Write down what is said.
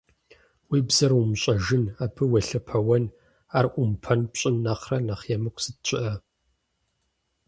Уи бзэр умыщӏэжын, абы уелъэпэуэн, ар ӏумпэм пщӏын нэхърэ нэхъ емыкӏу сыт щыӏэ!